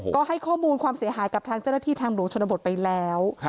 ก็ให้ข้อมูลความเสียหายกับทางเจ้าหน้าที่ทางหลวงชนบทไปแล้ว